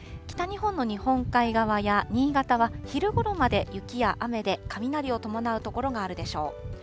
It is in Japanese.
北日本の日本海側や新潟は昼ごろまで雪や雨で、雷を伴う所があるでしょう。